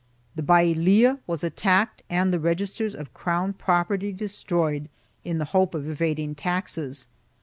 The Baylia was attacked and the registers of crown property destroyed, in the hope of evading taxes.